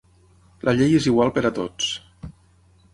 La llei és igual per a tots.